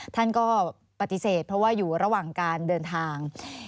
ท่านก็ปฏิเสธเพราะว่าอยู่ระหว่างการเดินทาง